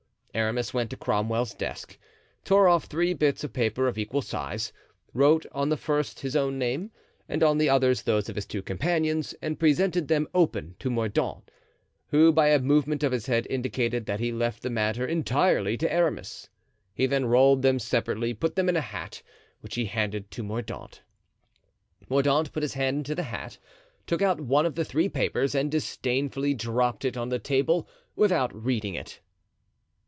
Aramis went to Cromwell's desk, tore off three bits of paper of equal size, wrote on the first his own name and on the others those of his two companions, and presented them open to Mordaunt, who by a movement of his head indicated that he left the matter entirely to Aramis. He then rolled them separately and put them in a hat, which he handed to Mordaunt. Mordaunt put his hand into the hat, took out one of the three papers and disdainfully dropped it on the table without reading it.